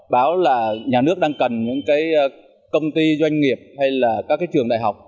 báo là nhà nước đang cần những công ty doanh nghiệp hay là các trường đại học